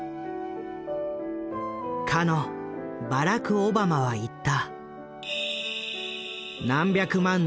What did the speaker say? かのバラク・オバマは言った。